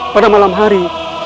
pada malam hari